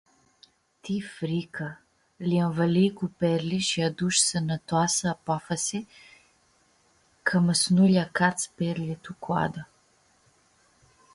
Ti fricã! Li-anvãlii cu perlji shi adush sãnãtoasã apofasi cama s-nu lj-acats perlji tu coadã.